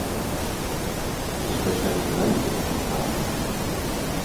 Ich möchte einen leichten Hut haben.